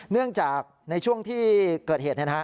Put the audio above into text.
เนื่องจากในช่วงที่เกิดเหตุ